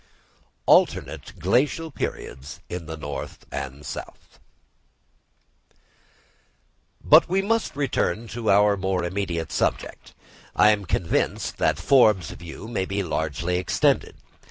Alternate Glacial Periods in the North and South. But we must return to our more immediate subject. I am convinced that Forbes's view may be largely extended.